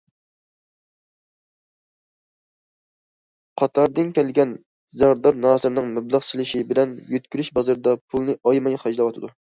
قاتاردىن كەلگەن زەردار ناسىرنىڭ مەبلەغ سېلىشى بىلەن يۆتكىلىش بازىرىدا پۇلنى ئايىماي خەجلەۋاتىدۇ.